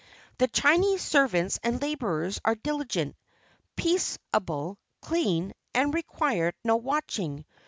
The Chinese servants and laborers are diligent, peaceable, clean, and require no watching.